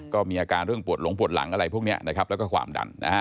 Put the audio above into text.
ก็มีอาการเรื่องหลงปวดหลังอะไรพวกนี้แล้วก็ความดัน